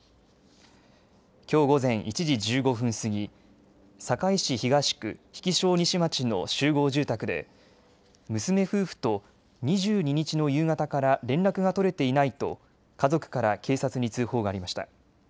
きょう午前１時１５分過ぎ、堺市東区日置荘西町の集合住宅で娘夫婦と２２日の夕方から連絡が取れていないと家族から警察に通報がありました。